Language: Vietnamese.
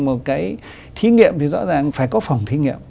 một cái thí nghiệm thì rõ ràng phải có phòng thí nghiệm